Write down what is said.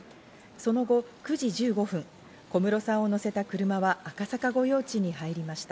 その後、９時１５分、小室さんを乗せた車は赤坂御用地に入りました。